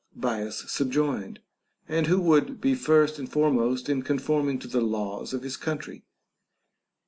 Bias subjoined, And who would be first and foremost in conforming to the laws of his country.